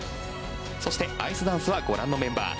そしてアイスダンスはご覧のメンバー。